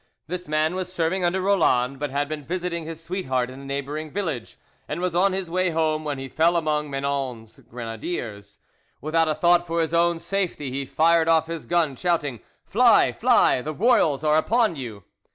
This man was serving under Roland, but had been visiting his sweetheart in a neighbouring village, and was on his way home when he fell among Menon's grenadiers. Without a thought for his own safety, he fired off his gun, shouting, "Fly! fly! The royals are upon you!"